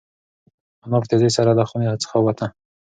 انا په تېزۍ سره له خونې څخه ووته.